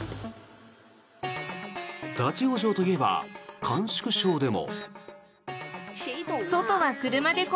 立ち往生といえば甘粛省でも。